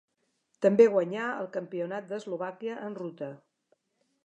També guanyà el Campionat d'Eslovàquia en ruta.